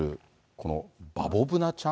このバボブナちゃん？